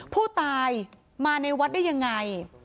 ผู้ตายมาในวัดได้ยังไง